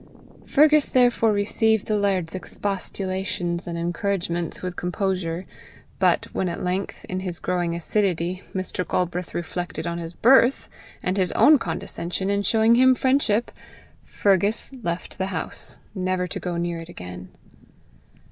Fergus therefore received the laird's expostulations and encouragements with composure, but when at length, in his growing acidity, Mr. Galbraith reflected on his birth, and his own condescension in showing him friendship, Fergus left the house, never to go near it again.